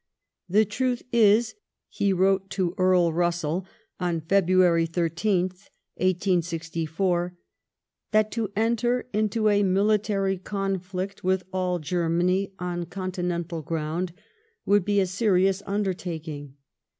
The truth is [he wrote to Earl Russell on February 13th, 1864] that to enter into a military conflict with all Germany on continental ground would be a serious undertaking.